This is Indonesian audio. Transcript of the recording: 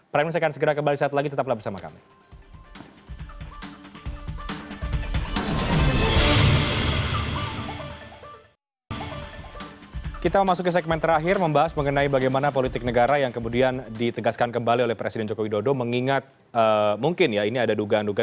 paling lain saya akan segera kembali suatu lagi